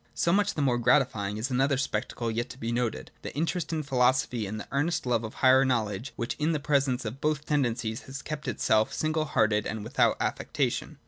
'So much the more gratifying is another spectacle yet to be noted ; the interest in philosophy and the earnest love of higher knowledge which in the presence of both tendencies has kept itself single hearted and without affectation.